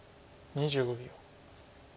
２５秒。